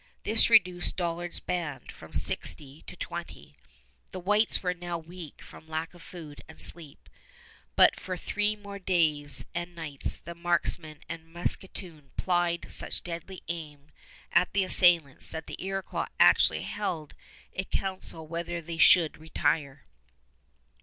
This reduced Dollard's band, from sixty to twenty. The whites were now weak from lack of food and sleep; but for three more days and nights the marksmen and musketoon plied such deadly aim at the assailants that the Iroquois actually held a council whether they should retire.